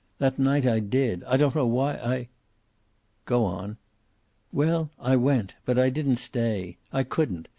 That night I did. I don't know why. I " "Go on." "Well, I went, but I didn't stay. I couldn't.